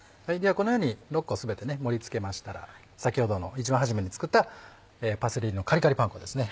このように６個全て盛り付けましたら先ほどの一番初めに作ったパセリのカリカリパン粉ですね